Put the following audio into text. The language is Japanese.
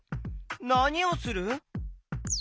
なにをする？